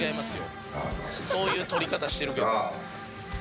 そういう撮り方してるけど。